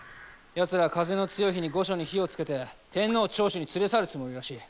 やつら風の強い日に御所に火をつけて天皇を長州に連れ去るつもりらしい。